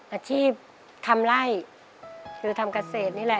อาชีพทำไล่คือทำเกษตรนี่แหละ